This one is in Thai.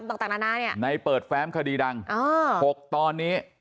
อันนี้ในเปิดแฟมคดีดังอ่าหกตอนนี้